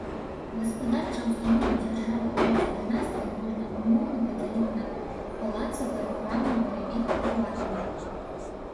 Гаспадарчыя ўстановы дзяржавы трэцяй дынастыі можна ўмоўна падзяліць на палацавыя, храмавыя і прыватныя.